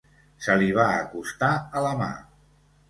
Se li va acostar a la mà.